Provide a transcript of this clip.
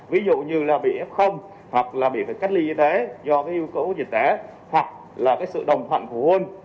ví dụ như là bị ép không hoặc là bị phải cách ly dịch tế do yêu cầu dịch tế hoặc là sự đồng thoại phụ huynh